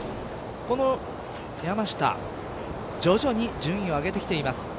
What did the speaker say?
この山下徐々に順位を上げてきています。